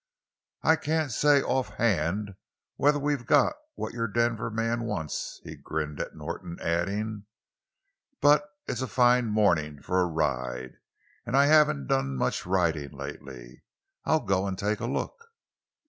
"I can't say, offhand, whether we've got what your Denver man wants." He grinned at Norton, adding: "But it's a fine morning for a ride, and I haven't done much riding lately. I'll go and take a look."